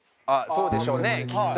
そうでしょうねきっと。